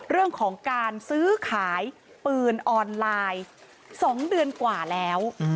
เรื่องของการซื้อขายปืนออนไลน์๒เดือนกว่าแล้ว